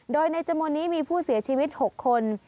โดยในจำนวนนี้มีผู้เสียชีวิต๖คน